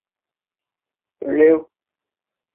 该巫金以流经其境内的白沙罗河命名。